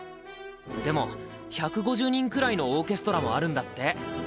でも１５０人くらいのオーケストラもあるんだって。